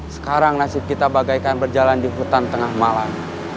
sekarang nasib kita bagaikan berjalan di hutan tengah malam